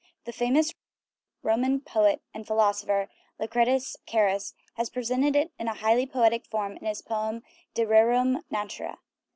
The famous Roman poet and philosopher, Lucretius Cams, has presented it in a highly poetic form in his poem "De Rerum Natura."